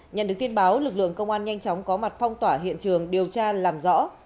nhận được tin báo lực lượng công an nhanh chóng có mặt phong tỏa hiện trường điều tra làm rõ